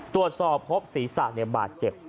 ตรวจสอบพบศีรษะบาดเจ็บ